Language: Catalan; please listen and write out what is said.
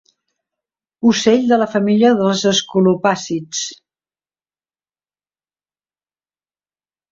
Ocell de la família dels escolopàcids.